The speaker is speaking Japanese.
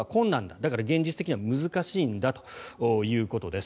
だから、現実的には難しいんだということです。